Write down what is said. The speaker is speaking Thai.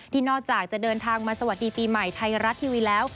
นอกจากจะเดินทางมาสวัสดีปีใหม่ไทยรัฐทีวีแล้ว